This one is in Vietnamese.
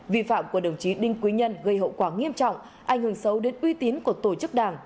vi phạm của đồng chí đinh quy nhân gây hậu quả nghiêm trọng ảnh hưởng xấu đến uy tín của tổ chức đảng